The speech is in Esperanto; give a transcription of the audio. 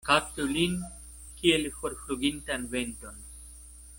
Kaptu lin kiel forflugintan venton.